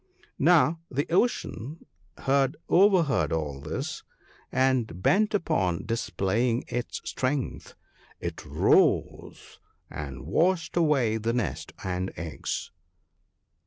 Now the Ocean had overheard all this, and, bent upon displaying its strength, it rose and washed away the nest and eggs.